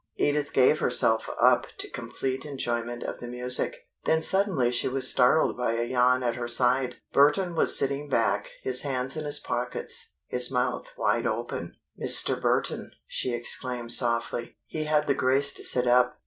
Edith gave herself up to complete enjoyment of the music. Then suddenly she was startled by a yawn at her side. Burton was sitting back, his hands in his pockets, his mouth wide open. "Mr. Burton!" she exclaimed softly. He had the grace to sit up.